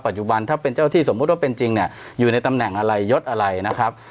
จุบันถ้าเป็นเจ้าที่สมมุติว่าเป็นจริงเนี่ยอยู่ในตำแหน่งอะไรยดอะไรนะครับ